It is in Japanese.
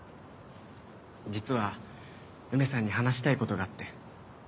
実は梅さんに話したい事があって。